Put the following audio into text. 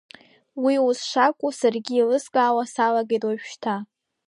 Уи ус шакәу саргьы еилыскаауа салагеит уажәшьҭа.